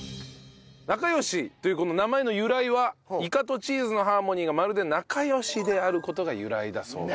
なかよしというこの名前の由来はイカとチーズのハーモニーがまるで仲良しである事が由来だそうです。